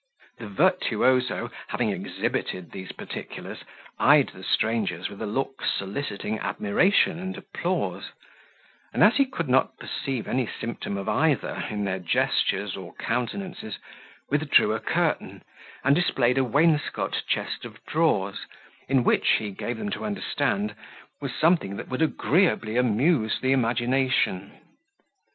The virtuoso having exhibited these particulars, eyed the strangers with a look soliciting admiration and applause; and as he could not perceive any symptom of either in their gestures or countenances, withdrew a curtain, and displayed a wainscot chest of drawers, in which, he gave them to understand, was something that would agreeably amuse the imagination.